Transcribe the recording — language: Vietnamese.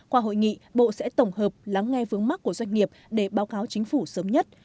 qua hội nghị bộ sẽ tổng hợp lắng nghe vướng mắt của doanh nghiệp để báo cáo chính phủ sớm nhất